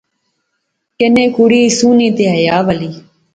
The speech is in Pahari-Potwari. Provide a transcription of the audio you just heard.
کنے کڑی سوہنی تے حیا والی